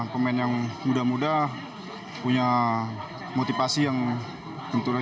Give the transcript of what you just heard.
pemain yang muda muda punya motivasi yang tentunya